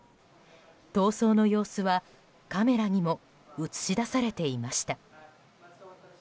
逃走の様子はカメラにも映し出されていました。